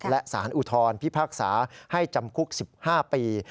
และสารอุทธรพิพากษาให้จำคุก๑๕ปี